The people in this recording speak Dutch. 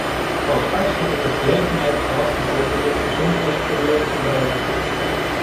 Als arts heb ik de gelegenheid gehad me over dit gezondheidsprobleem te buigen.